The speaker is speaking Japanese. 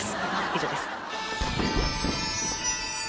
以上です